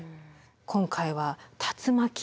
今回は竜巻。